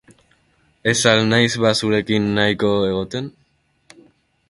Ez al naiz, ba, zurekin nahiko egoten?